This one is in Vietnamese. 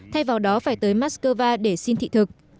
thay vào đó phải tới mắc cơ va để xin thị thực